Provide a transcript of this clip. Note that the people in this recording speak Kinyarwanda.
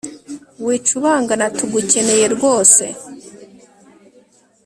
wicubangana tugukeneye rwose